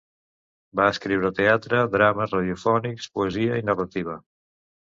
Va escriure teatre, drames radiofònics, poesia i narrativa.